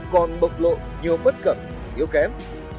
còn bộc lộ nhiều bất cẩn yếu kém